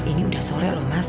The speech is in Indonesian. ini udah sore loh mas